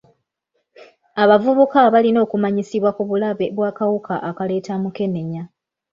Abavubuka balina okumanyisibwa ku bulabe bw'akawuka akaleeta mukenenya.